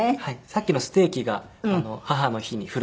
さっきのステーキが母の日に振る舞った。